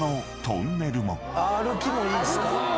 歩きもいいっすか。